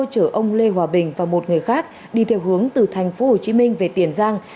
chở ông lê hòa bình và một người khác đi theo hướng từ tp hcm về tiền giang